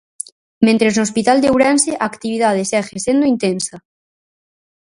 Mentres no Hospital de Ourense a actividade segue sendo intensa.